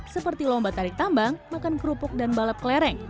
seperti lomba tarik tambang makan kerupuk dan balap kelereng